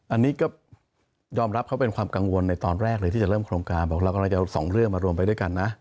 อันนี้ก็ยอมรับเขาเป็นความกังวลในตอนแรกเลยที่จะเริ่มโครงการบอกเรากำลังจะเอาสองเรื่องมารวมไปด้วยกันนะ